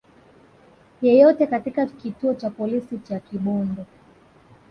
yoyote katika kituo cha polisi cha Kibondo